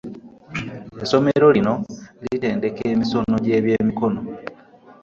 Essomero lino litendeka ennisomo egye bye mikono.